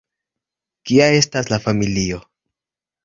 Kia estas la familio?